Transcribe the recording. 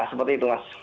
seperti itu mas